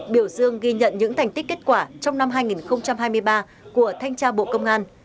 biểu dương ghi nhận những thành tích kết quả trong năm hai nghìn hai mươi ba của thanh tra bộ công an